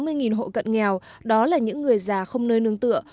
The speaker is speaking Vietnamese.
ba mươi hộ nghèo và tám mươi hộ cận nghèo đó là những người già không nơi nương tựa